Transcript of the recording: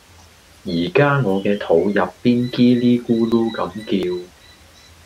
而家我嘅肚入邊 𠼻 咧咕嚕咁叫